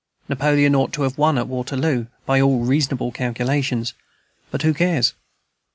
Napoleon ought to have won at Waterloo by all reasonable calculations; but who cares?